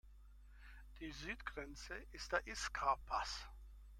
Die Südgrenze ist der Iskar-Pass.